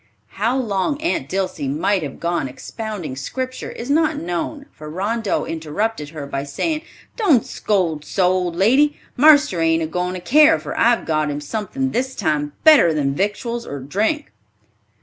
How long Aunt Dilsey might have gone expounding Scripture is not known, for Rondeau interrupted her by saying, "Don't scold so, old lady. Marster ain't a goin' to care for I've got him something this time better than victuals or drink."